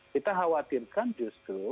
kita khawatirkan justru